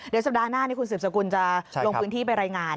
เดี๋ยวสัปดาห์หน้านี้คุณสืบสกุลจะลงพื้นที่ไปรายงาน